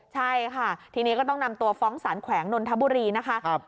ใช่ค่ะทีนี้ก็ต้องนำตัวฟ้องสารแขวงนนทบุรีนะคะ